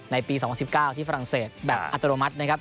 ในปี๒๐๑๙ที่ฝรั่งเศสแบบอัตโนมัตินะครับ